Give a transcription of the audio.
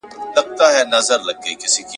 د بېلتون سندري وایم د جانان کیسه کومه ..